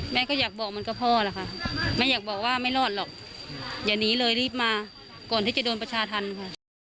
แม่ก็อยากบอกเหมือนกับพ่อล่ะค่ะแม่อยากบอกว่าไม่รอดหรอกอย่าหนีเลยรีบมาก่อนที่จะโดนประชาธรรมค่ะ